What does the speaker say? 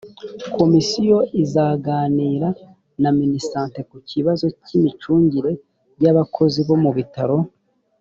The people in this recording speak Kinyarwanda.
komisiyo izaganira na minisante ku kibazo cy imicungire y abakozi bo mu bitaro